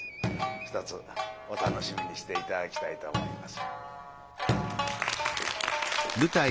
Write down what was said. ひとつお楽しみにして頂きたいと思います。